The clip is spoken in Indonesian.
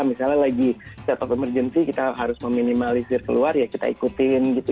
misalnya lagi setelah kemerjensi kita harus meminimalisir keluar ya kita ikutin gitu